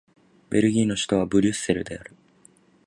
ベルギーの首都はブリュッセルである